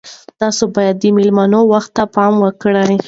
تاسي باید د میلمنو وخت ته پام وکړئ.